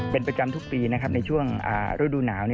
เป็นประจำทุกปีนะครับในช่วงฤดูหนาว